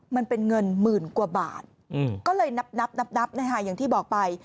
มันเป็นเงินหมื่นกว่าบาทก็เลยนับนับนะคะอย่างที่บอกไป